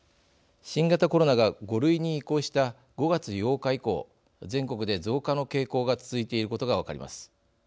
新型コロナが５類に移行した５月８日以降全国で増加の傾向が続いていることが分かります。